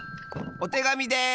おてがみです！